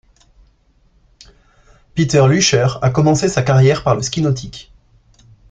Peter Lüscher a commencé sa carrière par le ski nautique.